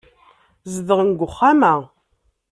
Zedɣen deg uxxam-a.